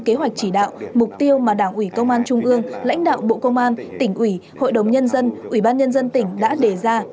kế hoạch chỉ đạo mục tiêu mà đảng ủy công an trung ương lãnh đạo bộ công an tỉnh ủy hội đồng nhân dân ủy ban nhân dân tỉnh đã đề ra